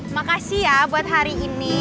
makasih ya buat hari ini